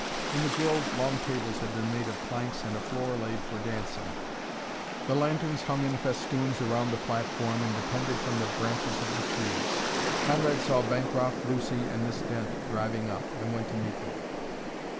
In the grove long tables had been made of planks and a floor laid for dancing. The lanterns hung in festoons around the platform and depended from the branches of the trees. Conrad saw Bancroft, Lucy, and Miss Dent driving up, and went to meet them.